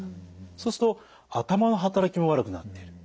そうすると頭の働きも悪くなっている。